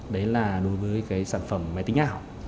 đấy là đối với sản phẩm máy tính ảo